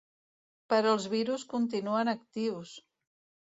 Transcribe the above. Però els virus continuen actius!